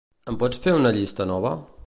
Em pots fer una llista nova?